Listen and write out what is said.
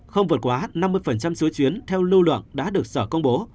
không vượt quá năm mươi số chuyến theo lưu lượng đã được sở công bố